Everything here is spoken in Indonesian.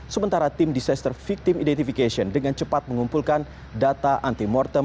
sementara tim disaster victim identification dengan cepat mengumpulkan data anti mortem